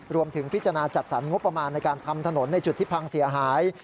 รวมถึงพิจารณาจัดสรรงบประมาณในการทำถนนในจุดที่พังเสียหาย